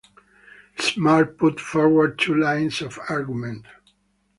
Smart put forward two lines of argument.